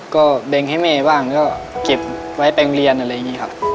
ก็เบงให้เม้ว่างก็เก็บไว้แปลงเรียนอะไรอย่างงี้ครับ